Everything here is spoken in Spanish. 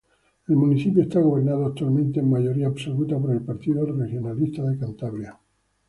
El municipio está gobernado actualmente en mayoría absoluta por el Partido Regionalista de Cantabria.